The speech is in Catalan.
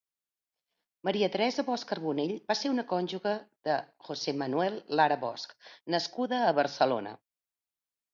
Maria Teresa Bosch Carbonell va ser una cònjuge de José Manuel Lara Bosch nascuda a Barcelona.